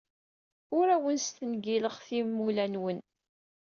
Ur awen-stengileɣ timula-nwen.